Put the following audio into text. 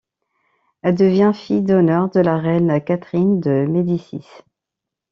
Elle devient fille d'honneur de la reine Catherine de Médicis.